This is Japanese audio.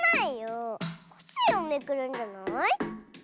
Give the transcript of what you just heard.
コッシーをめくるんじゃない？